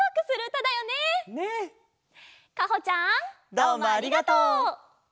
どうもありがとう！